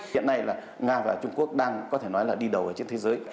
hiện nay nga và trung quốc đang đi đầu trên thế giới